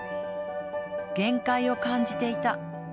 限界を感じていた、